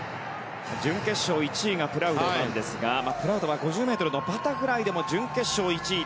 準決勝１位がプラウドですがプラウドは５０ｍバタフライでも準決勝１位。